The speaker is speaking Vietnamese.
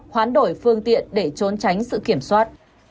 hoán đổi phương tiện để trốn tránh sự kiểm soát